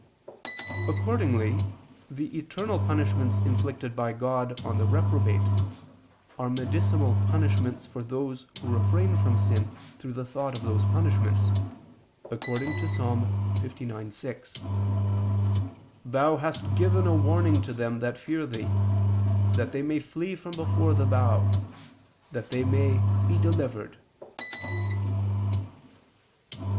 Accordingly the eternal punishments inflicted by God on the reprobate, are medicinal punishments for those who refrain from sin through the thought of those punishments, according to Ps. 59:6: "Thou hast given a warning to them that fear Thee, that they may flee from before the bow, that Thy beloved may be delivered."